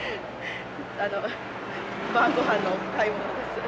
あの晩ごはんの買い物です。